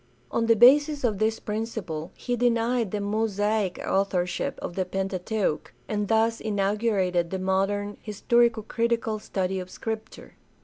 On the basis of this principle he denied the Mosaic authorship of the Pentateuch, and thus inaugurated the modern historico critical study of Scripture.